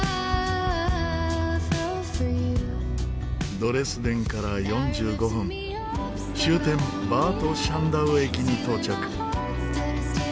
ドレスデンから４５分終点バート・シャンダウ駅に到着。